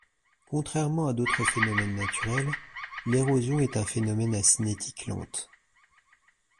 Contrairement à d’autres phénomènes naturels, l’érosion est un phénomène à cinétique lente.